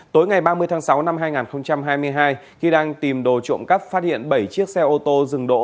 tối ngày ba mươi tháng sáu năm hai nghìn hai mươi hai khi đang tìm đồ trộm cắp phát hiện bảy chiếc xe ô tô dừng đỗ